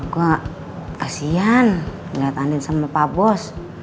gue kasian liat andien sama pak bos